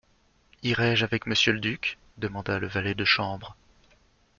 Irai-je avec monsieur le duc, demanda le valet de chambre.